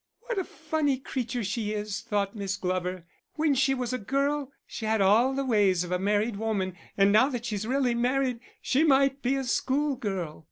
"What a funny creature she is!" thought Miss Glover. "When she was a girl she had all the ways of a married woman, and now that she's really married she might be a schoolgirl."